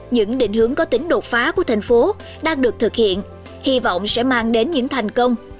những định hướng có tính đột phá của thành phố đang được thực hiện hy vọng sẽ mang đến những thành công